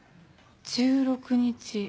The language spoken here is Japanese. １６日。